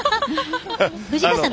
藤川さん